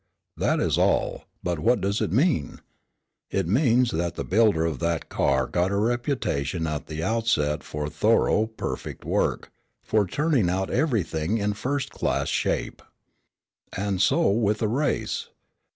That is all; but what does it mean? It means that the builder of that car got a reputation at the outset for thorough, perfect work, for turning out everything in first class shape. And so with a race.